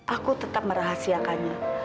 aku tetap merahasiakannya